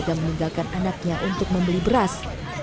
dan meninggalkan anaknya untuk membeli beras